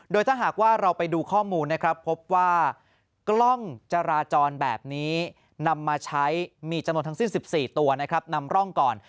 โดยถ้าหากว่าเราไปดูข้อมูลนะครับพบว่ากล้องจราจรแบบนี้นำมาใช้มีจำนวนทั้งสิ้น๑๔ตัวนะครับนำร่องก่อน